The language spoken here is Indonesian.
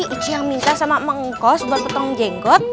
ichi yang minta sama mengkos buat potong jenggot